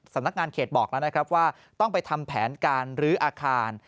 สำนักงานเขตบอกแล้วนะครับว่าต้องไปทำแผนการลื้ออาคาร